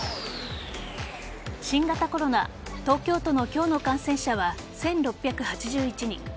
新型コロナ東京都の今日の感染者は１６８１人。